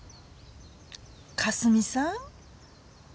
かすみさん？